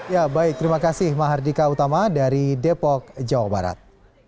ya baik terima kasih mahardika utama dari depok jawa barat